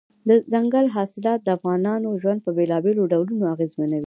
دځنګل حاصلات د افغانانو ژوند په بېلابېلو ډولونو اغېزمنوي.